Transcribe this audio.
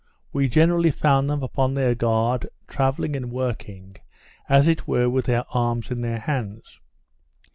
We generally found them upon their guard, travelling and working, as it were with their arms in their hands.